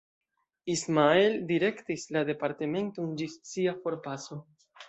Ismael direktis la departementon ĝis sia forpaso.